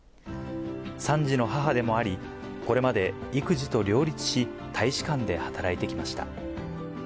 ３児の母でもあり、これまで育児と両立し、大使館で働いてきました。